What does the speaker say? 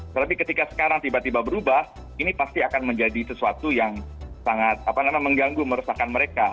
tetapi ketika sekarang tiba tiba berubah ini pasti akan menjadi sesuatu yang sangat mengganggu meresahkan mereka